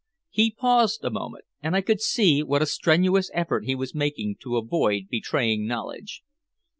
He paused a moment, and I could see what a strenuous effort he was making to avoid betraying knowledge.